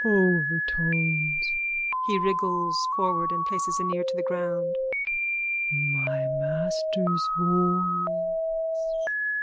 _ Overtones. (He wriggles forward and places an ear to the ground.) My master's voice!